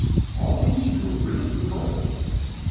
All the leaves were riddled with holes.